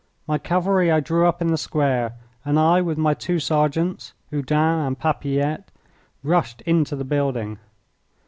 My cavalry I drew up in the square, and I, with my two sergeants, Oudin and Papilette, rushed into the building.